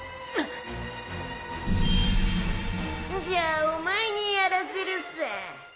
じゃあお前にやらせるさ。